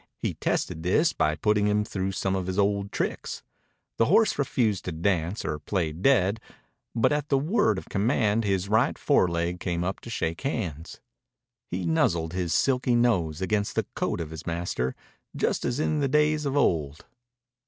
He tested this by putting him through some of his old tricks. The horse refused to dance or play dead, but at the word of command his right foreleg came up to shake hands. He nuzzled his silky nose against the coat of his master just as in the days of old.